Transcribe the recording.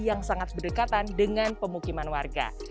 yang sangat berdekatan dengan pemukiman warga